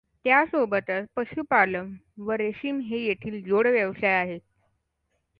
त्यासोबतच पशुपालन व रेशीम हे येथील जोड व्यवसाय आहेत.